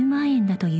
という